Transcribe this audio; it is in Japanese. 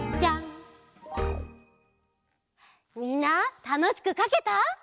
みんなたのしくかけた？